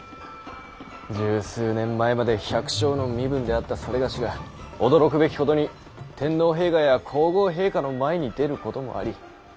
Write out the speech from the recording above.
十数年前まで百姓の身分であった某が驚くべきことに天皇陛下や皇后陛下の前に出ることもあり。